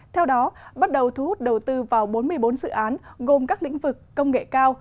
theo đó bắt đầu thu hút đầu tư vào bốn mươi bốn dự án gồm các lĩnh vực công nghệ cao